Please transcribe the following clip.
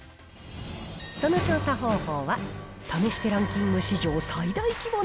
その調査方法は試してランキング史上。